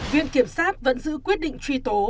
viện kiểm sát vẫn giữ quyết định truy tố